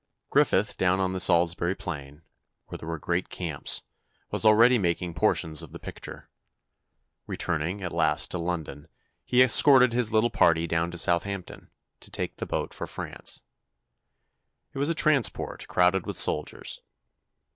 Griffith down on the Salisbury plain, where there were great camps, was already making portions of the picture. Returning, at last, to London he escorted his little party down to Southampton, to take boat for France. It was a transport, crowded with soldiers.